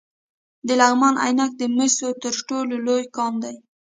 د لغمان عينک د مسو تر ټولو لوی کان دی